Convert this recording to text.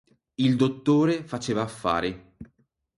Il «Dottore» faceva affari.